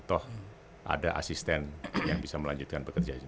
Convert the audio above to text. toh ada asisten yang bisa melanjutkan pekerjaan